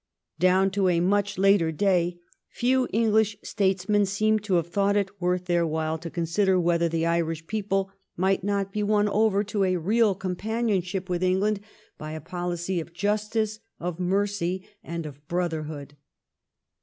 Down to a much later day few English statesmen seem to have thought it worth their while to consider whether the Irish people might not be won over to a real companionship with England by a policy of justice, of mercy, and of brotherhood.